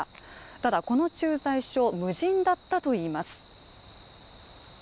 ただこの駐在所無人だったといいます。